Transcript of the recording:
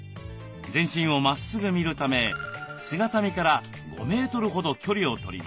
全身をまっすぐ見るため姿見から５メートルほど距離をとります。